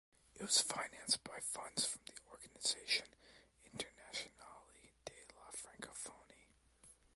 It was financed by funds from the Organisation internationale de la Francophonie.